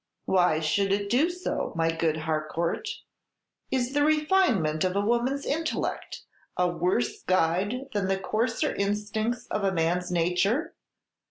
"Why should it do so, my good Harcourt? Is the refinement of a woman's intellect a worse guide than the coarser instincts of a man's nature?